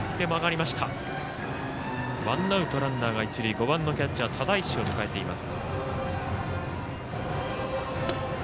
５番のキャッチャー只石を迎えています。